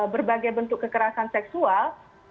berbagai bentuk kekerasan seksual